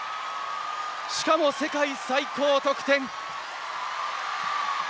しかも世界最高得点。